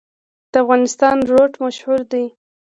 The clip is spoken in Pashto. د افغانستان روټ مشهور دی